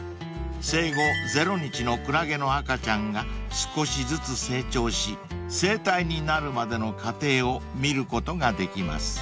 ［生後０日のクラゲの赤ちゃんが少しずつ成長し成体になるまでの過程を見ることができます］